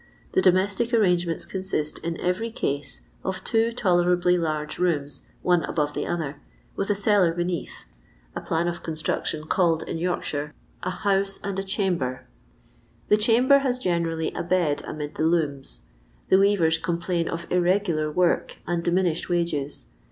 The domestic arrangements consist, in every case, of two tolera bly large rooms, one above the other, with a cellar braeath — a plan of construction called in York shire a "house and a chamber. The chamber has generally a bed amid the looms. The weavers complain of irregular work and diminished wages.